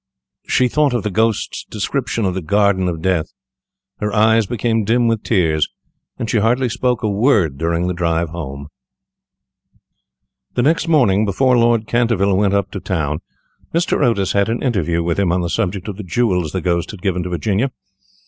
She thought of the ghost's description of the Garden of Death, her eyes became dim with tears, and she hardly spoke a word during the drive home. [Illustration: "THE MOON CAME OUT FROM BEHIND A CLOUD"] The next morning, before Lord Canterville went up to town, Mr. Otis had an interview with him on the subject of the jewels the ghost had given to Virginia.